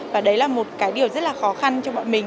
và đấy là một cái điều rất là khó khăn cho bọn mình